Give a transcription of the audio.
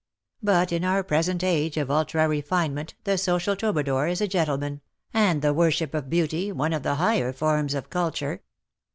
But in our present age of ultra refinement the social troubadour is a gentleman_, and the worship of beauty one of the higher forms of calture."